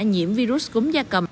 nhiễm virus cúm da cầm